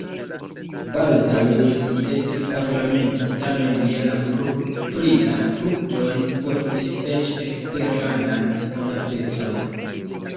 Baldaŭe li estis parlamentano, tamen lia laboro pri la fruktoj portis eĉ eksterlandan konatecon.